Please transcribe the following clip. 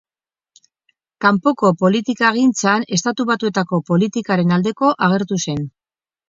Kanpoko politikagintzan Estatu Batuetako politikaren aldeko agertu zen.